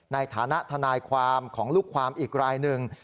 ในฐานะทนายความของลูกความอีกรายหนึ่ง